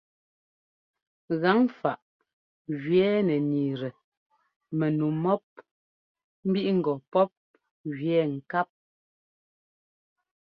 Gaŋfaꞌ gẅɛɛ nɛ niitɛ mɛnu mɔ́p mbiꞌŋgɔ pɔ́p gẅɛɛ ŋkáp.